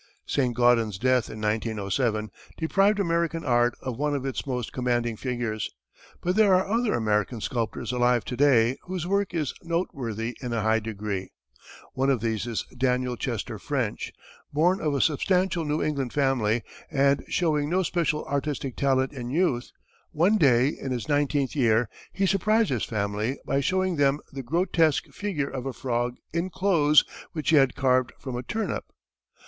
Saint Gaudens's death in 1907 deprived American art of one of its most commanding figures, but there are other American sculptors alive to day whose work is noteworthy in a high degree. One of these is Daniel Chester French. Born of a substantial New England family, and showing no especial artistic talent in youth, one day, in his nineteenth year, he surprised his family by showing them the grotesque figure of a frog in clothes which he had carved from a turnip.